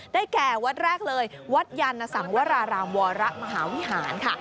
แก่วัดแรกเลยวัดยานสังวรารามวรมหาวิหารค่ะ